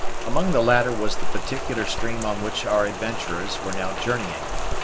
Among the latter was the particular stream on which our adventurers were now journeying.